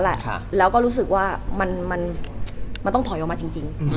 เราก็ประมวลกับตัวเองแล้วแหละแล้วก็รู้สึกว่ามันต้องถอยออกมาจริง